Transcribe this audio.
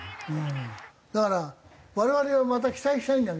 だから我々はまた期待したいんだけど。